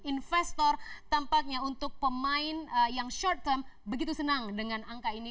investor tampaknya untuk pemain yang short term begitu senang dengan angka ini